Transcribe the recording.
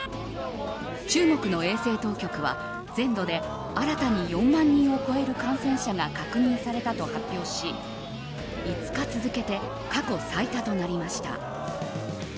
中国の衛生当局は全土で新たに４万人を超える感染者が確認されたと発表し５日続けて過去最多となりました。